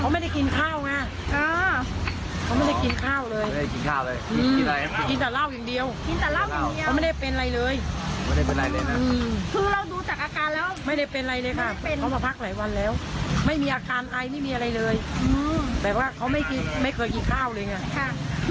เมืองนอกเข้ามาพักเขาไม่เคยกินข้าวเลย